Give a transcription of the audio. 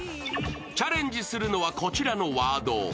チャレンジするのはこちらのワード。